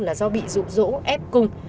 là do bị rụ rỗ ép cung